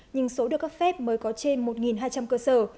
nhưng số được cấp phép mới có trên một hai trăm linh cơ sở